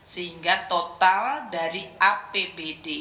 sehingga total dari apbd